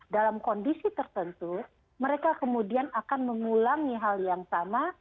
dalam kondisi tertentu mereka kemudian akan mengulangi hal yang sama